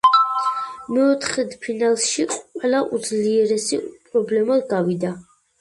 მეოთხედფინალში ყველა უძლიერესი უპრობლემოდ გავიდა.